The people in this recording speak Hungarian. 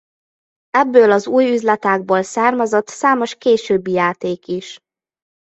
Ebből az új üzletágból származott számos későbbi játék is.